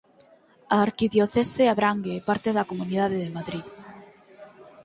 A arquidiocese abrangue parte da Comunidade de Madrid.